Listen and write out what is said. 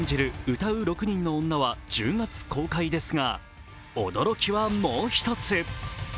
「唄う六人の女」は１０月公開ですが、驚きはもう一つ。